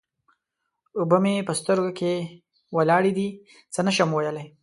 اوبه مې په سترګو کې ولاړې دې؛ څه نه شم ويلای.